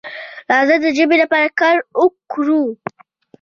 راځه د ژبې لپاره کار وکړو.